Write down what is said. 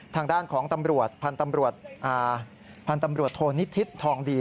ทางด้านของตำรวจพันธ์ตำรวจโทนิทิศทองดี